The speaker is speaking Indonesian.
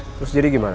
terus jadi gimana